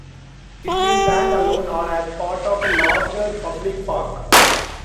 It may stand alone or as part of a larger public park.